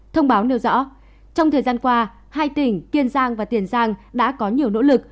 thông báo nêu rõ trong thời gian qua hai tỉnh kiên giang và tiền giang đã có nhiều nỗ lực